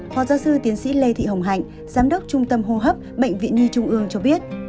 phó giáo sư tiến sĩ lê thị hồng hạnh giám đốc trung tâm hô hấp bệnh viện nhi trung ương cho biết